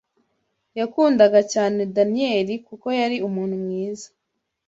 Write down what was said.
Yakundaga cyane Daniyeli kuko yari umuntu mwiza